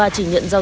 thì em đặt ở đây